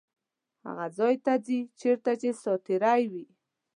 هغه ځای ته ځي چیرته چې ساعتېرۍ وي.